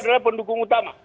itu adalah pendukung utama